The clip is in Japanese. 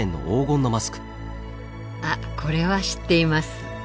あっこれは知っています。